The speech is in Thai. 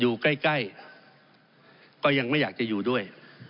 อยู่ใกล้ก็ยังไม่อยากจะอยู่ด้วย